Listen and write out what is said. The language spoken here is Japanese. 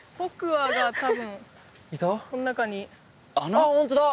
あっ本当だ！